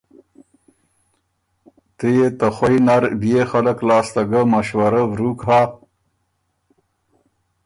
تُو يې ته خوئ نر بيې خلق لاسته ګه مشورۀ ورُوک هۀ؟